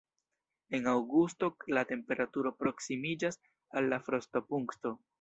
En aŭgusto la temperaturo proksimiĝas al la frostopunkto.